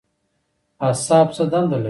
اعصاب څه دنده لري؟